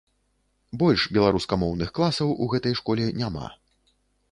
Больш беларускамоўных класаў у гэтай школе няма.